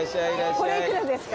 これ幾らですか？